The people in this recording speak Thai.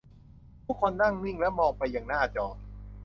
ทุกคนนั่งนิ่งและมองไปยังหน้าจอ